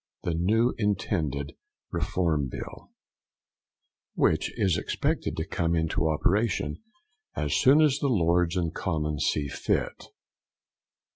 THE NEW INTENDED REFORM BILL _Which is expected to come into operation as soon as the Lords and Commons think fit.